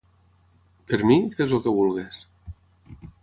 Per mi, fes el que vulguis.